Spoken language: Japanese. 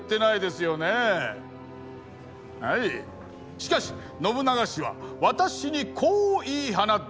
しかし信長氏は私にこう言い放ったのです。